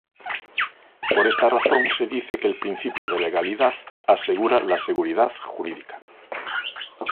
Por esta razón se dice que el principio de legalidad asegura la seguridad jurídica.